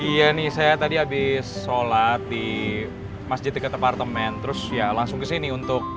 iya nih saya tadi habis sholat di masjid dekat apartemen terus ya langsung kesini untuk